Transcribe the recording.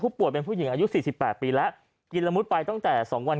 ป่วยเป็นผู้หญิงอายุ๔๘ปีแล้วกินละมุดไปตั้งแต่๒วัน